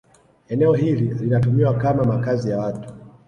Eneo hili linatumiwa kama makazi ya watu